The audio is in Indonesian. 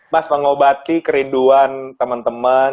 mas pengobati kerinduan teman teman